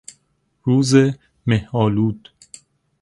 روز مهآلود